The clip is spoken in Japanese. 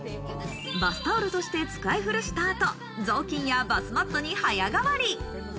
バスタオルとして使い古した後、雑巾やバスマットに早変わり。